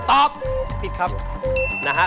ตอบผิดครับนะฮะ